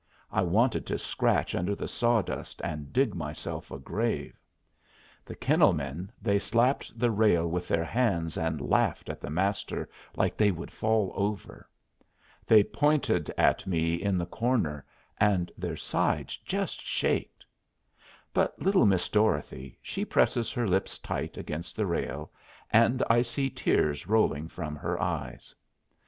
I wanted to scratch under the sawdust and dig myself a grave. The kennel men they slapped the rail with their hands and laughed at the Master like they would fall over. They pointed at me in the corner, and their sides just shaked. But little Miss Dorothy she presses her lips tight against the rail, and I see tears rolling from her eyes.